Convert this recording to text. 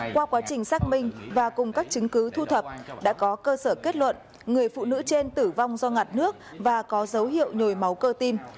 qua quá trình xác minh và cùng các chứng cứ thu thập đã có cơ sở kết luận người phụ nữ trên tử vong do ngặt nước và có dấu hiệu nhồi máu cơ tim